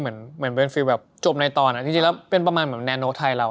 เหมือนเวิร์นฟิลด์แบบจบในตอนที่จริงแล้วเป็นประมาณแนโนไทยเรา